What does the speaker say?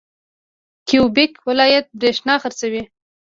کیوبیک ولایت بریښنا خرڅوي.